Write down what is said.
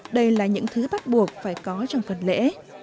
đây là những thứ bắt buộc phải có trong phần lễ